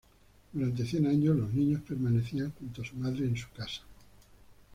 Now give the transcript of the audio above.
Durante cien años los niños permanecían junto a su madre, en su casa.